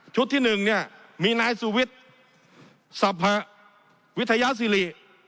ชุดที่หนึ่งเนี่ยมีนายสุวิทย์สัพพะวิทยาศิริ